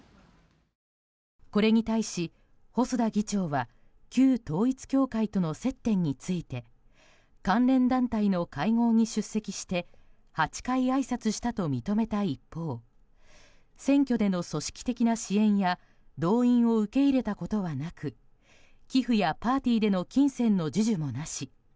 これに対し、細田議長は旧統一教会との接点について関連団体の会合に出席して８回あいさつしたと認めた一方選挙での組織的な支援や動員を受け入れたことはなく寄付やパーティーでの金銭の授受もなし。